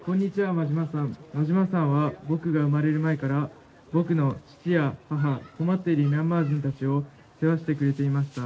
馬島さんは僕が生まれる前から僕の父や母困っているミャンマー人たちを世話してくれていました。